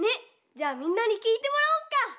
じゃあみんなにきいてもらおうか！